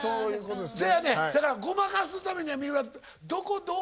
だからごまかすためには三浦どこをどう。